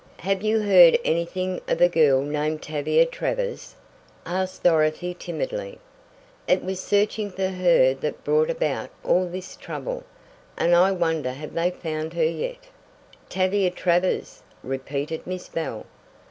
"Have you heard anything of a girl named Tavia Travers?" asked Dorothy timidly. "It was searching for her that brought about all this trouble, and I wonder have they found her yet." "Tavia Travers," repeated Miss Bell.